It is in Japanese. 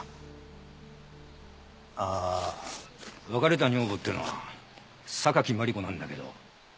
ああ別れた女房っていうのは榊マリコなんだけど。